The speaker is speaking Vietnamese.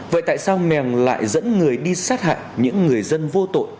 vậy tại sao mèng lại dẫn người đi sát hại những người dân vô tội